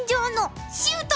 シュート。